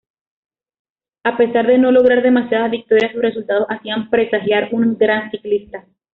A pesar de no lograr demasiadas victorias, sus resultados hacían presagiar un gran ciclista.